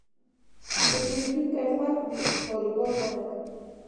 که پیرودونکی خوښ وي، کاروبار وده کوي.